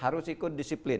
harus ikut disiplin